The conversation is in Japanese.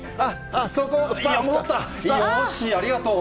そこ、よし、ありがとう。